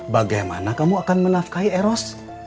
bagaimana kamu akan menafkahi eros